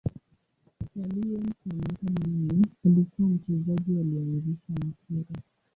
Kwa Lyon kwa miaka minne, alikuwa mchezaji aliyeanzisha mpira.